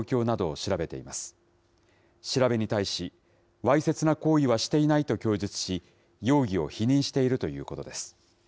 調べに対し、わいせつな行為はしていないと供述し、容疑を否認しているということです。